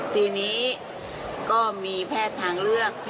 ทีนี้ก็มีแพทย์ทางเลือก